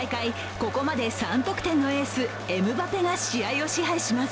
ここまで３得点のエースエムバペが試合を支配します。